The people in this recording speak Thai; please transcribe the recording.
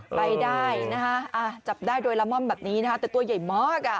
ไปได้นะคะจับได้โดยละม่อมแบบนี้นะคะแต่ตัวใหญ่มากอ่ะ